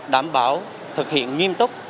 đảm bảo thực hiện nghiêm túc